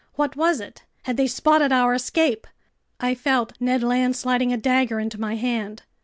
What was it? Had they spotted our escape? I felt Ned Land sliding a dagger into my hand.